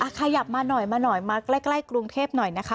ขยับมาหน่อยมาหน่อยมาใกล้กรุงเทพหน่อยนะคะ